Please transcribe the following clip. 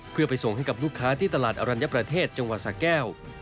เพื่อไปส่งให้กับลูกค้าที่ตลาดอรัญญประเทศจังหวัดสะแก้ว